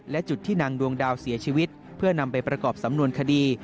และจุดที่นางดวงดาวเสียชีวิตเพื่อนำไปประกอบสำนวนคดี